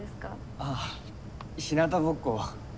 ああひなたぼっこを。